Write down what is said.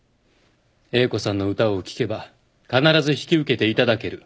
英子さんの歌を聴けば必ず引き受けていただける。